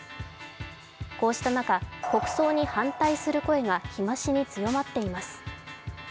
こうした中、国葬に反対する声が日増しに強まっています。